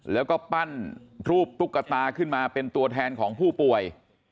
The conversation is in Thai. แล้วก็ปั้นรูปตุ๊กตาขึ้นมาเป็นตัวแทนของผู้ป่วย